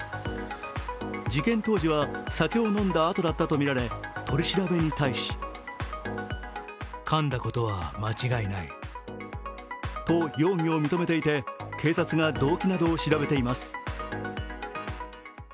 事件当時は酒を飲んだあとだったとみられ、取り調べに対しと容疑を認めていて警察が動機などを調べています。